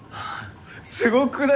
すごくない？